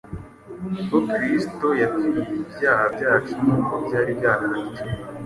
ko Kristo yapfiriye ibyaha byacu, nkuko byari byaranditswe,